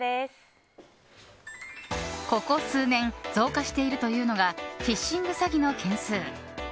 ここ数年増加しているというのがフィッシング詐欺の件数。